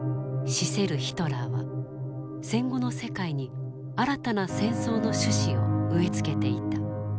死せるヒトラーは戦後の世界に新たな戦争の種子を植え付けていた。